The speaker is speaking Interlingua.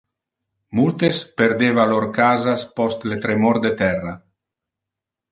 Multes perdeva lor casas post le tremor de terra.